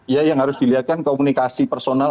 ya yang harus dilihatkan komunikasi personal